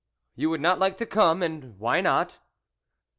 " You would not like to come ? and why not